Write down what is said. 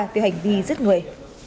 về hành vi giết người